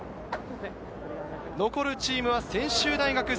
残るチームは専修大学。